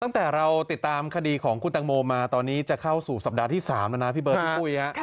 ตั้งแต่เราติดตามคดีของคุณตังโมมาตอนนี้จะเข้าสู่สัปดาห์ที่๓แล้วนะพี่เบิร์ดพี่ปุ้ยฮะ